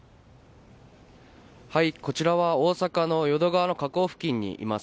こちらは大阪の淀川の河口付近にいます。